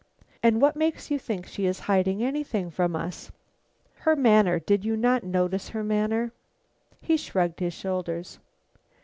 "And what makes you think she is hiding anything from us?" "Her manner. Did you not notice her manner?" He shrugged his shoulders.